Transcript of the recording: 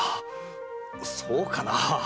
そうかな。